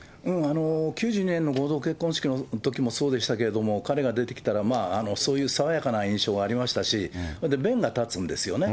９２年の合同結婚式のときもそうでしたけれども、彼が出てきたら、そういう爽やかな印象がありましたし、弁が立つんですよね。